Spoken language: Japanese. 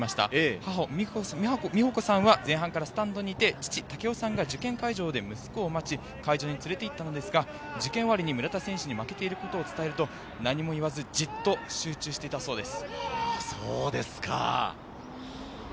母・みほこさんは前半からスタンドにいて父・たけおさんが受験会場で息子を待ち、会場に連れていったのですが、受験終わりに村田選手に、負けていることを伝えると何も言わず、じっと集中していたそうです。